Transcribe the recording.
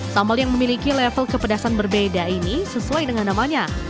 sambal yang memiliki level kepedasan berbeda ini sesuai dengan namanya